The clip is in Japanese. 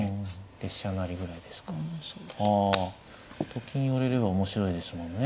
と金寄れれば面白いですもんね。